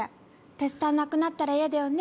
テスターなくなったら嫌だよね？